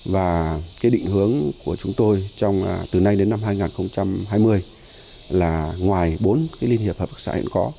và cái định hướng của chúng tôi từ nay đến năm hai nghìn hai mươi là ngoài bốn liên hiệp hợp tác xã hiện có